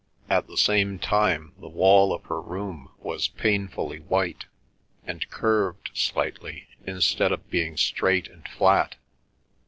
At the same time the wall of her room was painfully white, and curved slightly, instead of being straight and flat.